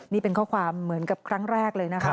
นี่เป็นข้อความเหมือนกับครั้งแรกเลยนะคะ